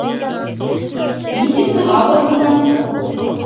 Нисек сығабыҙ бынан?